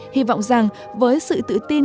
hy vọng rằng với sự tự tin